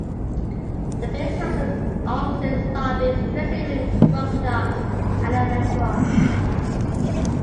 The base houses offices, lobbies, dressing rooms, workshops and a restaurant.